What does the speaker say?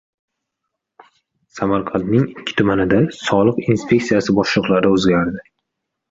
Samarqandning ikki tumanida soliq inspeksiyasi boshliqlari o‘zgardi